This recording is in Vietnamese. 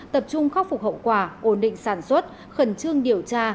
tập trung khắc phục hậu quả ổn định sản xuất khẩn trương điều tra